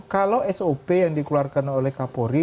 kalau sop yang dikeluarkan oleh kapolri